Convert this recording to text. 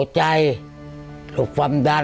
เดินไม่ได้มากกว่าไม่ได้เดินได้มาก